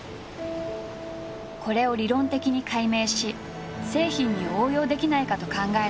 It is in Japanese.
これを理論的に解明し製品に応用できないかと考えた佐治。